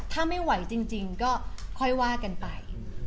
ถ้าไม่ไหวจริงก็ค่อยว่ากันไป